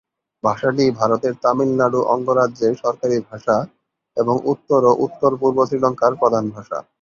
ভাষাটি ভারতের তামিলনাড়ু অঙ্গরাজ্যের সরকারি ভাষা এবং উত্তর ও উত্তর-পূর্ব শ্রীলঙ্কার প্রধান ভাষা।